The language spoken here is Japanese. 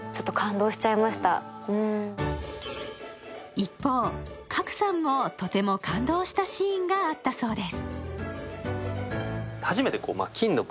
一方、賀来さんもとても感動したシーンがあったそうです。